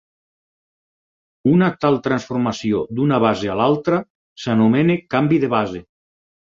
Una tal transformació d'una base a l'altra s'anomena canvi de base.